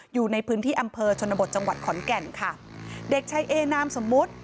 อยู่ในพื้นที่อำเภอชนบทจังหวัดขอนแก่นค่ะเด็กชายเอนามสมมุติ